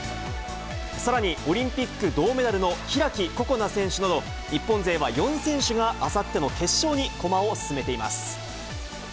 さらに、オリンピック銅メダルの開心那選手など、日本勢は４選手があさっての決勝に駒を進めています。